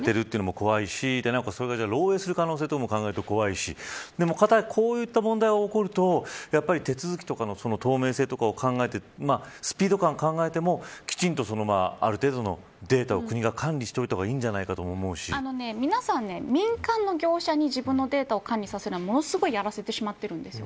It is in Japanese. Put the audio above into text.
それが漏えいする可能性も考えると怖いしでも、片や、こういった問題が起こるとやっぱり手続きとかの透明性を考えてスピード感を考えてもきちんとある程度のデータを国が管理しておいた方が皆さん民間の業者に自分のデータを管理させるのはものすごいやらせてしまってるんです。